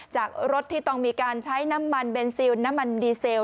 จากรถที่ต้องมีการใช้น้ำมันเบนซิลน้ำมันดีเซล